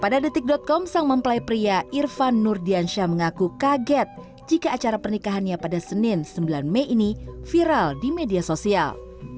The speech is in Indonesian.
pada detik com sang mempelai pria irfan nurdiansyah mengaku kaget jika acara pernikahannya pada senin sembilan mei ini viral di media sosial